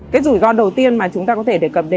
cái rủi ro đầu tiên mà chúng ta có thể đề cập đến